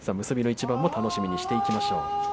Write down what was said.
結びの一番は楽しみにしていきましょう。